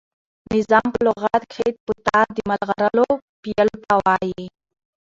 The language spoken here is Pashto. نظام په لغت کښي په تار د ملغلرو پېیلو ته وايي.